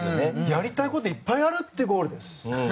やりたいことがいっぱいあるゴールです。